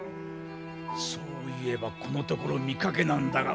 そういえばこのところ見かけなんだが。